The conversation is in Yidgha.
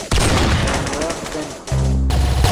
ڤے مووف تن